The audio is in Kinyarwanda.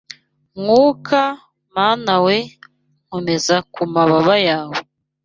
Mwuka Mana we, nkomeza ku mababa yawe